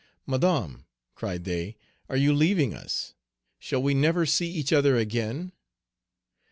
"Madame," cried they, "are you leaving us? Shall we never see each other again?"